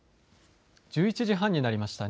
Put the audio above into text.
１１時半になりました。